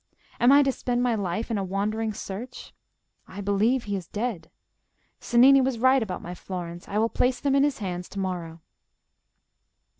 Am I to spend my life in a wandering search? I believe he is dead. Cennini was right about my florins: I will place them in his hands to morrow."